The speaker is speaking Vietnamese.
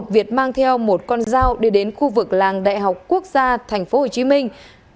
việt mang theo một con dao đi đến khu vực làng đại học quốc gia thành phố hồ chí minh